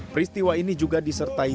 peristiwa ini juga disertai